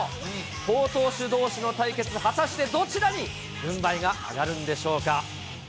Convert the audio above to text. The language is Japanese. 好投手どうしの対決、果たしてどちらに軍配が上がるんでしょうか。